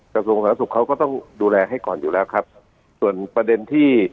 กระทรวงสาธารสุขเขาก็ต้องดูแลให้ก่อนอยู่แล้วครับส่วนประเด็นที่